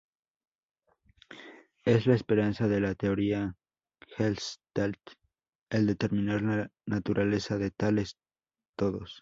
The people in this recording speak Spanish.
Es la esperanza de la teoría Gestalt el determinar la naturaleza de tales todos.